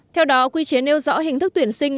theo đó quy chế nêu rõ hình thức tuyển sinh